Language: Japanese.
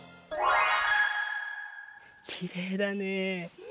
きれいだね。